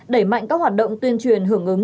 đẩy mạnh các hoạt động tuyên truyền hưởng ứng